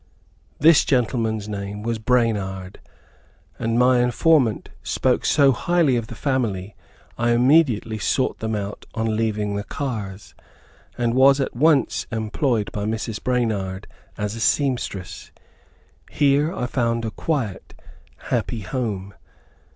This gentleman's name was Branard, and my informant spoke so highly of the family, I immediately sought them out on leaving the cars, and was at once employed by Mrs. Branard, as a seamstress. Here I found a quiet, happy home.